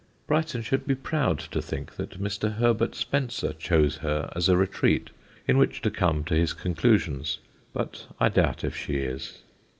Brighton should be proud to think that Mr. Herbert Spencer chose her as a retreat in which to come to his conclusions; but I doubt if she is.